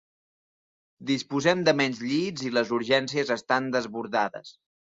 “Disposem de menys llits i les urgències estan desbordades”.